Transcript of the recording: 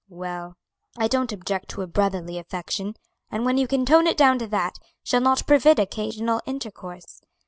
"Well, I don't object to a brotherly affection, and when you can tone it down to that, shall not forbid occasional intercourse.